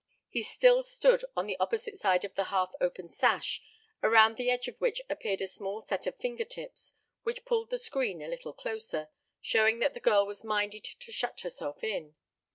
He still stood on the opposite side of the half open sash, around the edge of which appeared a small set of finger tips, which pulled the screen a little closer, showing that the girl was minded to shut herself in.